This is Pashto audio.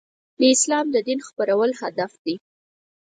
د اسلام د دین خپرول هدف دی.